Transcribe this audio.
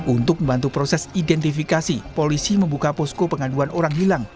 untuk membantu proses identifikasi polisi membuka posko pengaduan orang hilang